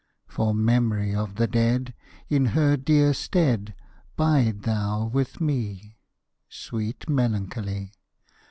For memory of the dead, In her dear stead, 'Bide thou with me, Sweet Melancholy!